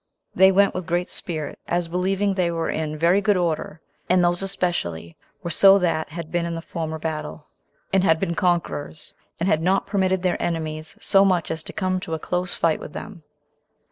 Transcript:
They went with great spirit, as believing they were in very good order; and those especially were so that had been in the former battle, and had been conquerors, and had not permitted their enemies so much as to come to a close fight with them.